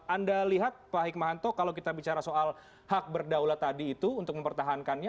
anda lihat pak hikmahanto kalau kita bicara soal hak berdaulat tadi itu untuk mempertahankannya